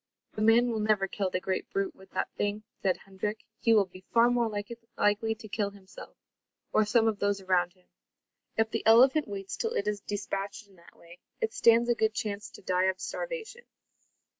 "The man will never kill the great brute with that thing," said Hendrik. "He will be far more likely to kill himself, or some of those around him. If the elephant waits till it is despatched in that way, it stands a good chance to die of starvation."